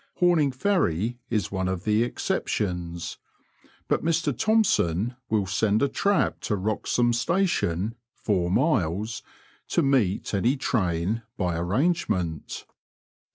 Homing Ferry is one of the exceptions ; but Mr Thompson will send a trap to Wroxham Station (four miles) to meet any train, by arrangement.